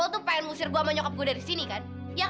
yaudah deh kita ngobrol disana aja yuk